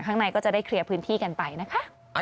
ข้างในก็จะได้เคลียร์พื้นที่กันไปนะคะ